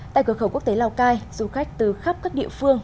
tại cửa khẩu quốc tế lào cai du khách từ khắp các địa phương